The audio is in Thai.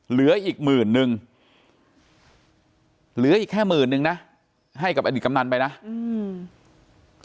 เหลืออีกหมื่นนึงเหลืออีกแค่หมื่นนึงนะให้กับอดีตกำนันไปนะอืม